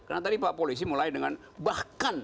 karena tadi pak polisi mulai dengan bahkan